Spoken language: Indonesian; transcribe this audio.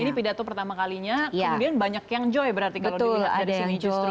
ini pidato pertama kalinya kemudian banyak yang joy berarti kalau dilihat dari sini justru